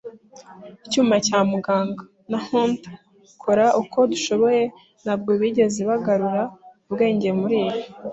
icyuma cya muganga, na Hunter, kora uko dushoboye, ntabwo bigeze bagarura ubwenge muribi